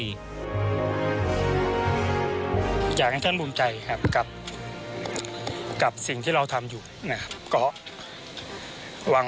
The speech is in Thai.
อยากให้ท่านภูมิใจครับกับสิ่งที่เราทำอยู่นะครับก็วาง